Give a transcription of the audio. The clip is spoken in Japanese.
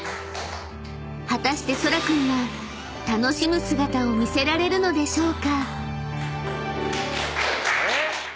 ［果たしてそら君は楽しむ姿を見せられるのでしょうか？］